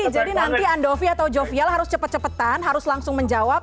jadi nanti andovi atau jovi harus cepet cepetan harus langsung menjawab